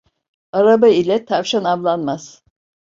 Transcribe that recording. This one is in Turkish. Araba ile tavşan avlanmaz.